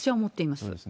そうですね。